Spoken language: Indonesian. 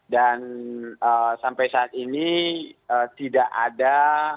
dan sampai saat ini tidak ada